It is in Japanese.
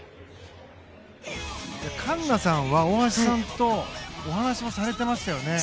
環奈さんは大橋さんとお話もされていましたよね。